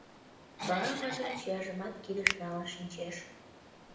Вара ватын чияжымат кидыш налын шинчеш.